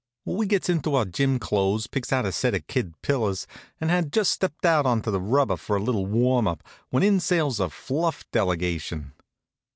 Well, we gets into our gym. clothes, picks out a set of kid pillows, and had just stepped out on the rubber for a little warmin' up, when in sails a fluff delegation.